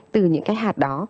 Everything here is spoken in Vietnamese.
từ những cái hạt đó